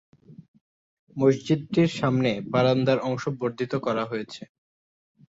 মসজিদটির সামনে বারান্দার অংশ বর্ধিত করা হয়েছে।